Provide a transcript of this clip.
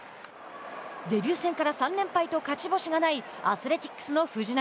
デビュー戦から３連敗と勝ち星がないアスレティックスの藤浪。